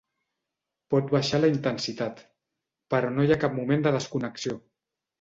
Pot baixar la intensitat, però no hi ha cap moment de desconnexió.